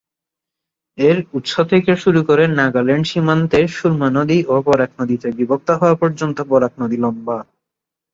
এর উৎস থেকে শুরু করে, নাগাল্যান্ড সীমান্তে সুরমা নদী ও বরাক নদীতে বিভক্ত হওয়া পর্যন্ত, বরাক নদী লম্বা।